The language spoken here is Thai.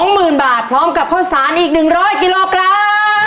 หมื่นบาทพร้อมกับข้าวสารอีก๑๐๐กิโลกรัม